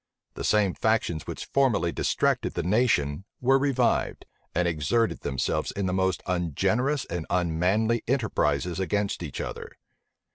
The same factions which formerly distracted the nation were revived, and exerted themselves in the most ungenerous and unmanly enterprises against each other.